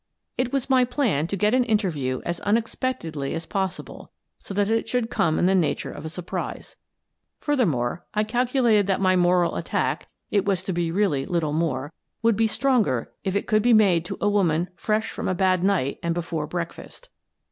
It was my plan to get an interview as unexpected ly as possible, so that it should come in the nature of a surprise. Furthermore, I calculated that my moral attack — it was to be really little more — would be stronger if it could be made to a woman fresh from a bad night and before breakfast.